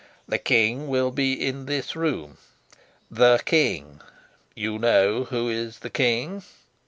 "The king will be in this room the king. You know who is the king?"